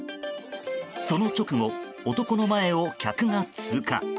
その直後、男の前を客が通過。